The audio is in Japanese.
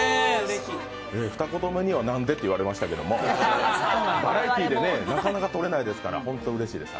二言目には「なんで？」って言われましたけども、なかなかとれないですから、ほんとうれしいです。